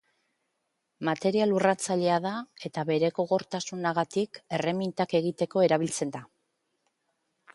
Material urratzailea da eta bere gogortasunagatik erremintak egiteko erabiltzen da.